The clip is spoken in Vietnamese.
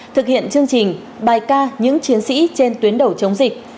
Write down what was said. thực hiện chương trình bài ca những chiến sĩ trên tuyến đầu chống dịch